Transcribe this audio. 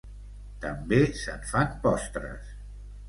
També se'n fan postres.